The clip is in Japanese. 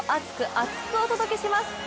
厚く！お届け！します。